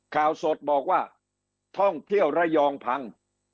ข่าวสดบอกว่าท่องเที่ยวระยองพัง